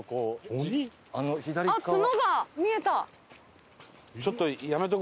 鬼？あっ角が見えた。